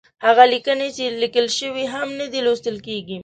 هغه ليکنې چې ليکل شوې هم نه دي، لوستل کېږي.